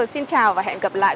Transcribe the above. xin chào và hẹn gặp lại